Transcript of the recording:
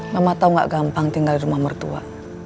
mama tau gak gampang tinggal di rumah mertua